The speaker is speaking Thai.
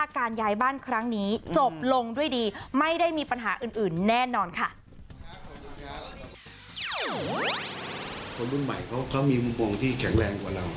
คนรุ่นใหม่เขามีมุมมองที่แข็งแรงกว่าเรา